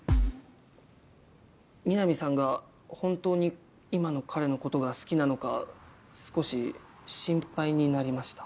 みなみさんが本当に今の彼のことが好きなのか少し心配になりました。